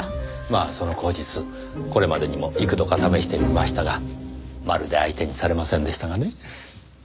まあその口実これまでにも幾度か試してみましたがまるで相手にされませんでしたがね。